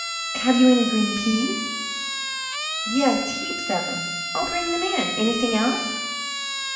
Have you any green peas?" "Yes, heaps of them. I'll bring them in. Anything else?"